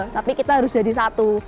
tapi kita harus jadi satu